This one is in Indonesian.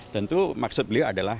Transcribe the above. tentu maksud beliau adalah